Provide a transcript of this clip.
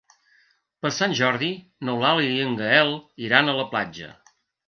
Per Sant Jordi n'Eulàlia i en Gaël iran a la platja.